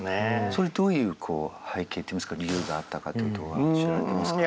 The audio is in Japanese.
それどういう背景といいますか理由があったかということは知られてますか？